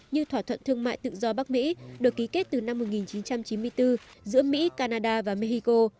như thỏa thuận thương mại tự do bắc mỹ được ký kết từ năm một nghìn chín trăm chín mươi bốn giữa mỹ canada và mexico